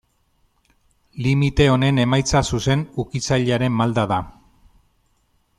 Limite honen emaitza zuzen ukitzailearen malda da.